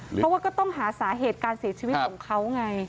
เพราะว่าก็ต้องหาสาเหตุการเสียชีวิตของเขาไง